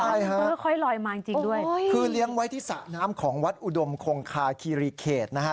ใช่ฮะเออค่อยลอยมาจริงด้วยคือเลี้ยงไว้ที่สระน้ำของวัดอุดมคงคาคีรีเขตนะฮะ